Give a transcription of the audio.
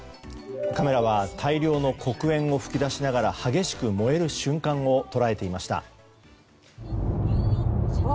カメラは大量の黒煙を噴き出しながら激しく燃える瞬間を捉えていました。